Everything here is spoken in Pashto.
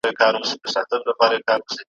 ګوزاره دي په دې لږو پیسو کیږي؟ ,